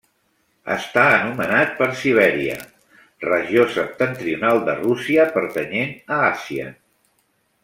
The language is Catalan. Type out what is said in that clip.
Està anomenat per Sibèria, regió septentrional de Rússia pertanyent a Àsia.